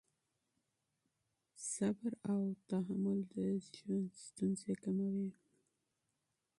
صبر او تحمل د ژوند ستونزې کموي.